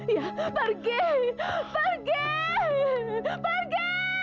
ya pergi pergi pergi